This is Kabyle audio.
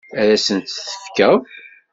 Ad asent-t-tefkeḍ?